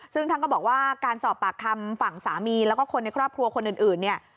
ซึ่งท่านก็บอกว่าการสอบปากคำฝั่งสามีแล้วก็คนในครอบครัวคนอื่นเนี่ย